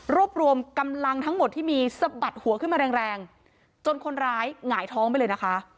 รวมกำลังทั้งหมดที่มีสะบัดหัวขึ้นมาแรงแรงจนคนร้ายหงายท้องไปเลยนะคะ